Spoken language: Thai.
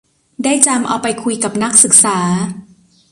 ได้จำเอาไปคุยกับนักศึกษา